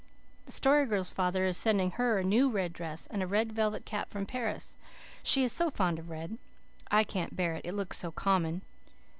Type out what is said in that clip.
The Story Girl's father is sending her a new red dress, and a red velvet cap from Paris. She is so fond of red. I can't bear it, it looks so common.